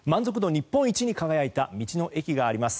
日本一に輝いた道の駅があります。